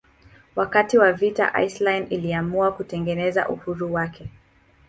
Wakati wa vita Iceland iliamua kutangaza uhuru wake.